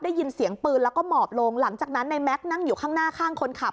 ได้ยินเสียงปืนแล้วก็หมอบลงหลังจากนั้นในแม็กซ์นั่งอยู่ข้างหน้าข้างคนขับ